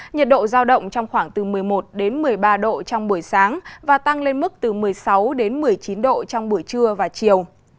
nhiệt độ giao động trong khoảng từ một mươi một một mươi ba độ trong buổi sáng và tăng lên mức từ một mươi sáu đến một mươi chín độ trong buổi trưa và chiều